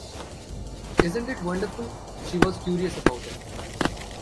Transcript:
“Isn’t it wonderful?” She was curious about him.